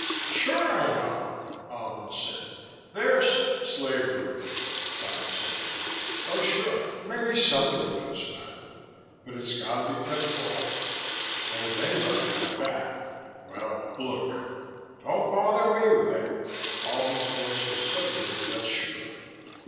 "Sure I know," Albin said. "There's " "Slavery," Dodd said. "Oh, sure, maybe somebody knows about it, but it's got to be kept quiet. And if anybody got back well, look." "Don't bother me with it." Albin's voice was suddenly less sure.